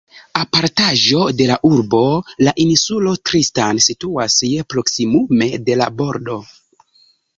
Apartaĵo de la urbo, la insulo Tristan situas je proksimume de la bordo.